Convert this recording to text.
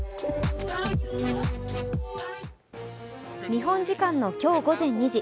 日本時間の今日午前２時